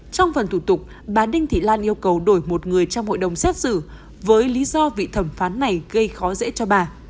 trong phần thủ tục bà đinh thị lan yêu cầu đổi một người trong hội đồng xét xử với lý do vị thẩm phán này gây khó dễ cho bà